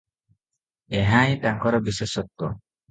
ଏହାହିଁ ତାଙ୍କର ବିଶେଷତ୍ୱ ।